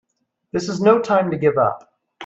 This is no time to give up!